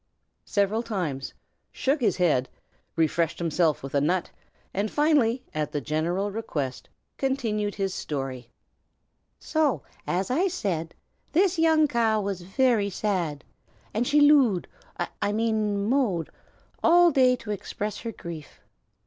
several times, shook his head, refreshed himself with a nut, and finally, at the general request, continued his story: So, as I said, this young cow was very sad, and she looed I mean mowed all day to express her grief.